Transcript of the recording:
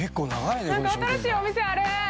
なんか新しいお店ある！